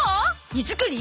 荷造り？